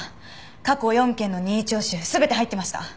過去４件の任意聴取全て入ってました。